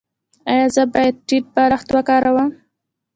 ایا زه باید ټیټ بالښت وکاروم؟